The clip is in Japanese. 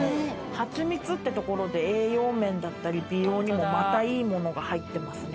ハチミツってところで栄養面だったり美容にもまたいいものが入ってますね。